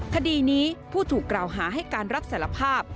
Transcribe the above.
คดีนี้ผู้ถูกกล่าวหาให้การรับสารภาพ